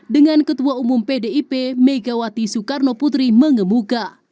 dengan ketua umum pdip megawati soekarnoputri mengemuka